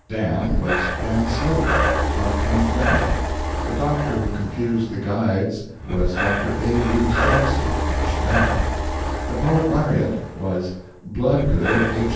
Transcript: "Dan" was Dan Slote, Mark Twain's room mate; the Doctor who confused the guides was Dr. A. Reeves Jackson, of Chicago; the poet Lariat was Bloodgood H.